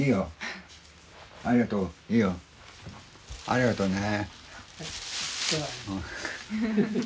ありがとうね。